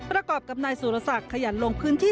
ประกอบกับนายสุรศักดิ์ขยันลงพื้นที่